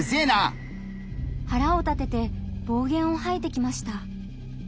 はらを立てて暴言をはいてきました。